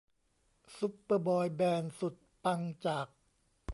ซูเปอร์บอยแบนด์สุดปังจาก